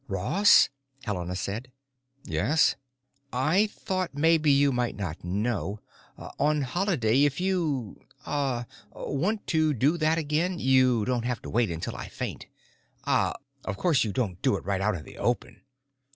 "Ross," Helena said. "Yes?" "I thought maybe you might not know. On Holiday if you, ah, want to do that again you don't have to wait until I faint. Ah, of course you don't do it right out in the open."